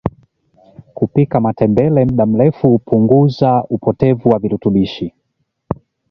kupika matembele mda mrefu hupunguza upotevu wa virutubishi